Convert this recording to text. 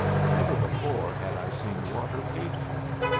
Never before had I seen water paid for.